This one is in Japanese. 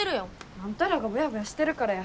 あんたらがボヤボヤしてるからや。